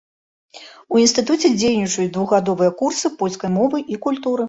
У інстытуце дзейнічаюць двухгадовыя курсы польскай мовы і культуры.